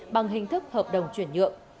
bằng hình thức hợp đồng chuyển nhượng